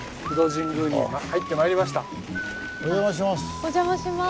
お邪魔します。